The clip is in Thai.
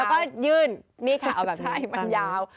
แล้วก็ยื่นนี่ค่ะเอาแบบใช่มันยาว